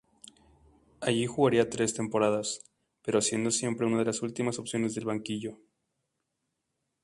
Allí jugaría tres temporadas, pero siendo siempre una de las últimas opciones del banquillo.